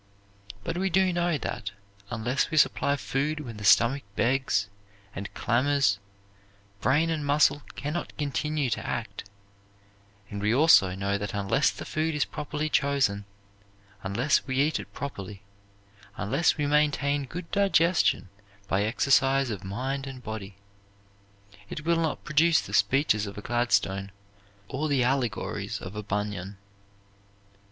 But we do know that, unless we supply food when the stomach begs and clamors, brain and muscle can not continue to act; and we also know that unless the food is properly chosen, unless we eat it properly, unless we maintain good digestion by exercise of mind and body, it will not produce the speeches of a Gladstone or the allegories of a Bunyan.